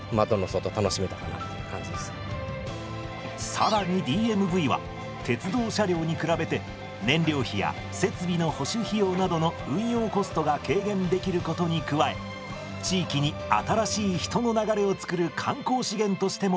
更にＤＭＶは鉄道車両に比べて燃料費や設備の保守費用などの運用コストが軽減できることに加え地域に新しい人の流れを作る観光資源としても期待されています。